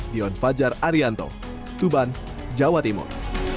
dion fajar arianto tuban jawa timur